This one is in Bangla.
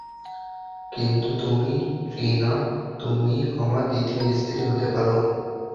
কিন্তু তুমি, ট্রিনা, তুমি আমার দ্বিতীয় স্ত্রী হতে পারো।